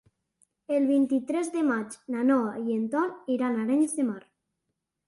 El vint-i-tres de maig na Noa i en Ton iran a Arenys de Mar.